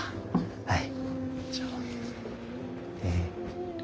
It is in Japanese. はい。